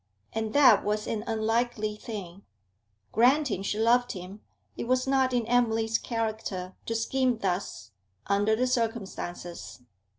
And that was an unlikely thing; granting she loved him, it was not in Emily's character to scheme thus, under the circumstances.